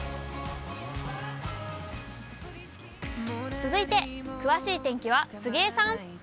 続いて、詳しい天気は杉江さん。